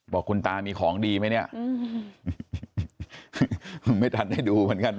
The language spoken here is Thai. บอกคุณตามีของดีไหมเนี่ยไม่ทันได้ดูเหมือนกัน